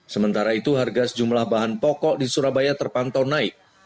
sementara itu harga sejumlah bahan pokok di surabaya terpantau naik